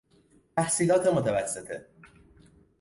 تحصیلات متوسطه